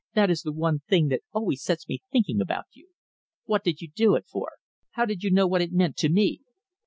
"That is the one thing that always sets me thinking about you. What did you do it for? How did you know what it meant to me?"